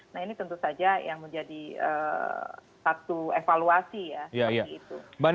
nah ini tentu saja yang menjadi satu evaluasi ya